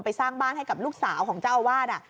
สร้างบ้านให้กับลูกสาวของเจ้าอาวาส